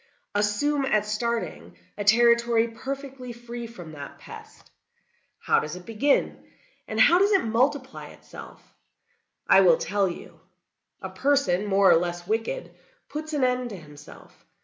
"Assume, at starting, a territory perfectly free from that pest. How does it begin, and how does it multiply itself? I will tell you. A person, more or less wicked, puts an end to himself.